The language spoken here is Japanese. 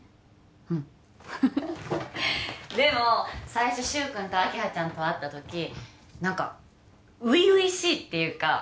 うんでも最初柊くんと明葉ちゃんと会った時何か初々しいっていうか